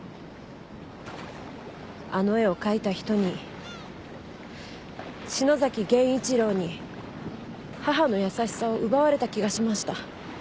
あの絵を描いた人に篠崎源一郎に母の優しさを奪われた気がしました。